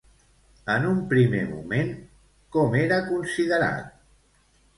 En un primer moment, com era considerat?